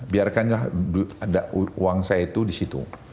biarkanlah ada uang saya itu di situ